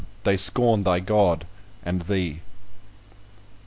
They scorn thy God, and thee!"